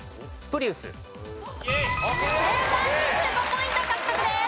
２５ポイント獲得です。